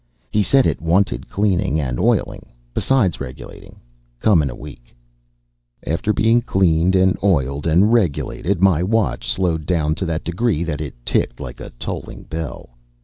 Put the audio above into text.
He said it wanted cleaning and oiling, besides regulating come in a week. After being cleaned and oiled, and regulated, my watch slowed down to that degree that it ticked like a tolling bell.